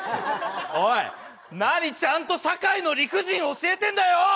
おい、何ちゃんと社会の理不尽教えてんだよ！